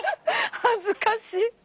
恥ずかしい。